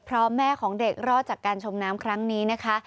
เพราะแม่ของเด็กรอดจากการชมน้ำครั้งนี้นะคะ